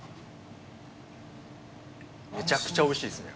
めちゃくちゃ美味しいですね。